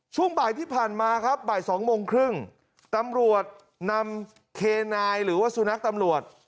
ช่วงบ่ายที่ผ่านมาครับบ่ายสองโมงครึ่งตำรวจนำเคนายหรือว่าสุนัขตำรวจ